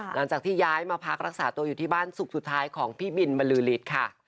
หลังจากที่ย้ายมาพักรักษาตัวอยู่ที่บ้านศุกร์สุดท้ายของพี่บินบรือฤทธิ์ค่ะ